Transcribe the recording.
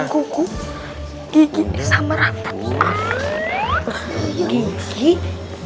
kuku di ganggu samarang tatpih